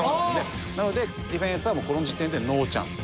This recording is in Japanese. なのでディフェンスはこの時点でノーチャンス。